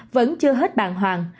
vẫn chưa hết bàn hoàng